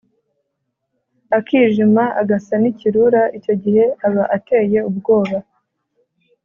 akijima agasa n’ikirura icyo gihe aba ateye ubwoba